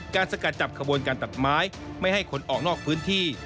สกัดจับขบวนการตัดไม้ไม่ให้คนออกนอกพื้นที่